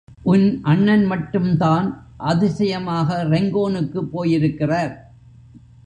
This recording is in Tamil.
உன் அண்ணன் மட்டும் தான் அதிசயமாக ரெங்கோனுக்குப் போயிருக்கிறார்?